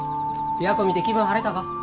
琵琶湖見て気分晴れたか？